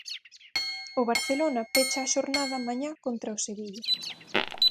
O Barcelona pecha a xornada mañá contra o Sevilla.